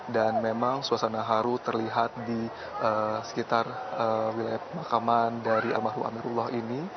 dan memang suasana haru terlihat di sekitar wilayah pemakaman dari almarhum amirullah ini